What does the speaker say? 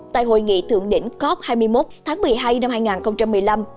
tại hội nghị thượng đỉnh cop hai mươi một tháng một mươi hai năm hai nghìn một mươi năm